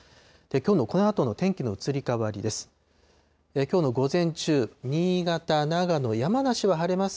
きょうのこのあとの天気の移り変わりです。